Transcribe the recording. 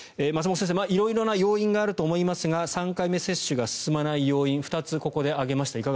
松本先生色々な要因があると思いますが３回目接種が進まない要因を２つ、ここで挙げました。